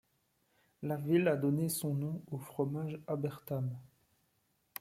La ville a donné son nom au fromage Abertam.